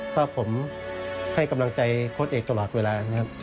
ถ้าผมให้กำลังใจโค้ดเอกตลอดเวลานะครับ